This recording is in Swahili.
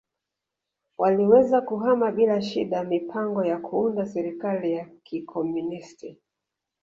waliweza kuhama bila shida mipango ya kuunda serikali ya kikomunist